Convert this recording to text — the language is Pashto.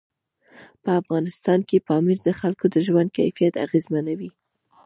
په افغانستان کې پامیر د خلکو د ژوند کیفیت اغېزمنوي.